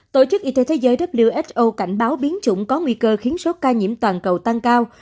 tổ chức y tế thế giới who cảnh báo biến chủng có nguy cơ khiến số ca nhiễm toàn cầu tăng cao